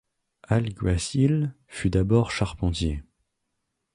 Alguacil fut d'abord charpentier.